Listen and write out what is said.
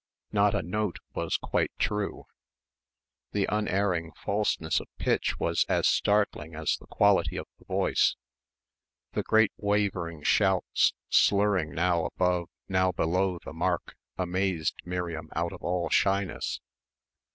Not a note was quite true.... The unerring falseness of pitch was as startling as the quality of the voice. The great wavering shouts slurring now above, now below the mark amazed Miriam out of all shyness.